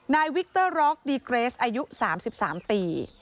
วิกเตอร์ร็อกดีเกรสอายุ๓๓ปี